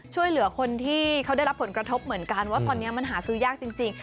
ช่วยเหลือคนที่เขาได้รับผลกระทบเหมือนกันว่าตอนนี้มันหาซื้อยากจริง